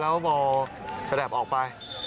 แล้วมัลแสดบออกไป